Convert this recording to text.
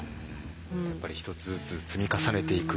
やっぱり一つずつ積み重ねていく。